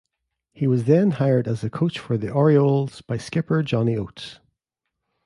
He was then hired as a coach for the Orioles by skipper Johnny Oates.